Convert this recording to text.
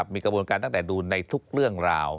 มีกระบวนการตั้งแต่ดูในทุกเรื่องราว